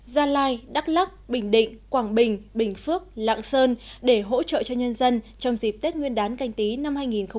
gia lai đắk lắc bình định quảng bình bình phước lạng sơn để hỗ trợ cho nhân dân trong dịp tết nguyên đán canh tí năm hai nghìn hai mươi